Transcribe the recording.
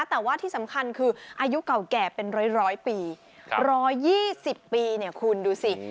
แต่ว่าที่สำคัญคืออายุเก่าแก่เป็นร้อยร้อยปีครับรอยยี่สิบปีเนี่ยคุณดูสิ